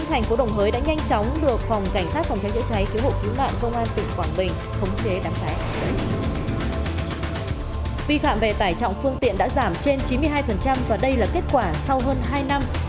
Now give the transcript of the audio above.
thành phố đồng hới đã nhanh chóng được phòng cảnh sát phòng tránh chữa cháy